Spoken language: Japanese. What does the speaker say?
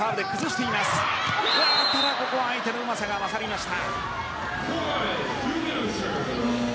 ただここは相手のうまさが勝りました。